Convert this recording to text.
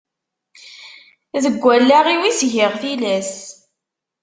Deg allaɣ-iw i s-giɣ tilas.